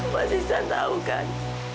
mas iksan tau kan